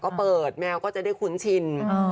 ก็เปิดแมวก็จะได้คุ้นชิน